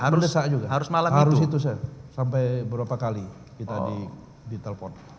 harus itu sampai berapa kali kita ditelepon